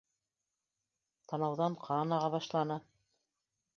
Танауҙан ҡан аға башланы.